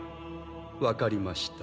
わかりました。